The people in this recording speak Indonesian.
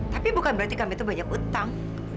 tapi bukan berarti kami itu banyak utang